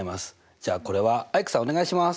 じゃあこれはアイクさんお願いします。